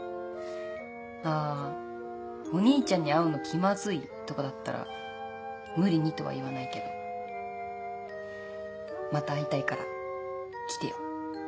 あお兄ちゃんに会うの気まずいとかだったら無理にとは言わないけどまた会いたいから来てよ。